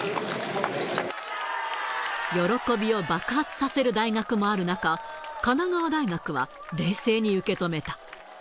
喜びを爆発させる大学もある中、神奈川大学は冷静に受け止めた。